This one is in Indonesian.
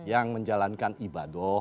yang menjalankan ibadah